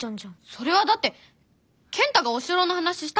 それはだって健太がお城の話したからじゃん！